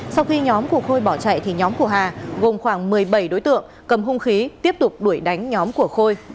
sau khi nhóm của khôi bỏ chạy thì nhóm của hà gồm khoảng một mươi bảy đối tượng cầm hung khí tiếp tục đuổi đánh nhóm của khôi